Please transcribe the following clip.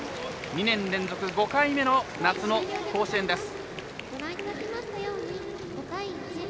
２年連続５回目の夏の甲子園です。